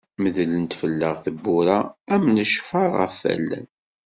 Neddlent fell-aɣ tewwura am lecfar ɣef wallen.